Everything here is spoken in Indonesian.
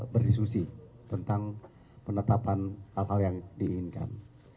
berdiskusi tentang penetapan hal hal yang diinginkan